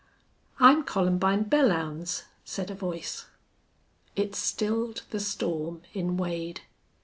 "I'm Columbine Belllounds," said a voice. It stilled the storm in Wade.